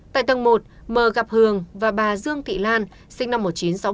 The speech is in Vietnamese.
tại tầng một m gặp hường và bà dương thị lan sinh năm một nghìn chín trăm sáu mươi